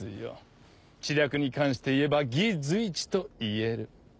知略に関していえば魏随一といえる。